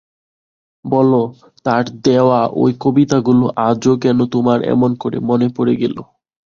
বলো, তার দেওয়া ঐ কবিতাগুলো আজই কেন তোমার এমন করে মনে পড়ে গেল।